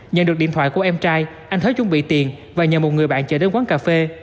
nhận được điện thoại của em trai anh thế chuẩn bị tiền và nhờ một người bạn chờ đến quán cà phê